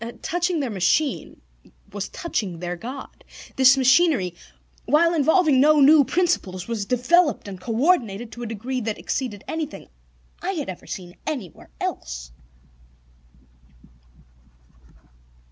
Touching their machine was touching their God. This machinery, while involving no new principles, was developed and coordinated to a degree that exceeded anything I had ever seen anywhere else.